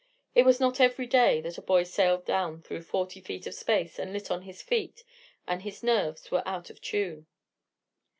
It was not every day that a boy sailed down through forty feet of space and lit on his feet, and his nerves were out of tune.